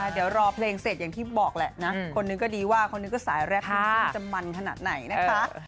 เดี๋ยวรอเพลงเสร็จอย่างที่บอกแหละนะคนนึงก็ดีว่าเขานึกว่าสายแรกคุณผู้ชมจะมันขนาดไหนนะคะ